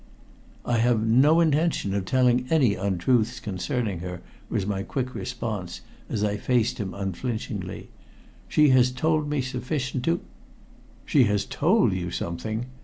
"I have no intention of telling any untruths concerning her," was my quick response, as I faced him unflinchingly. "She has told me sufficient to " "She has told you something!